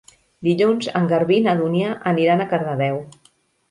Dilluns en Garbí i na Dúnia aniran a Cardedeu.